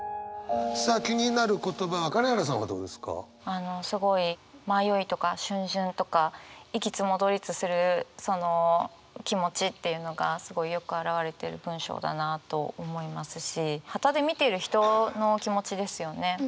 あのすごい迷いとかしゅん巡とか行きつ戻りつするその気持ちっていうのがすごいよく表れてる文章だなと思いますし端で見てる人の気持ちですよね？